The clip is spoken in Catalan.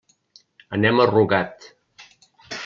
Anem a Rugat.